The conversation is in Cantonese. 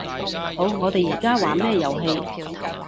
好，我哋而家玩咩遊戲